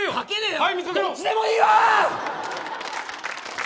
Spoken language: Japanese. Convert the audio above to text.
どっちでもいいわ！